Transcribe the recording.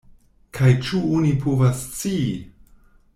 Kaj ĉu oni povas scii?